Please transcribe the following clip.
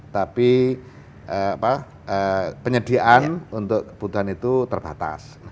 tapi penyediaan untuk kebutuhan itu terbatas